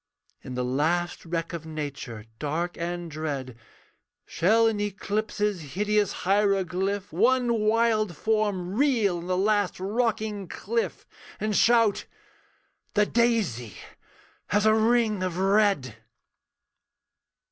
In the last wreck of Nature, dark and dread, Shall in eclipse's hideous hieroglyph, One wild form reel on the last rocking cliff, And shout, 'The daisy has a ring of red.'